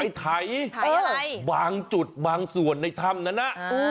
ไถอะไรบางจุดบางส่วนในถ้ำนั้นน่ะ